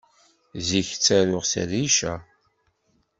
Zik ttaruɣ s rrica.